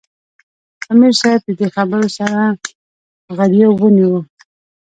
" امیر صېب د دې خبرو سره غرېو ونیوۀ ـ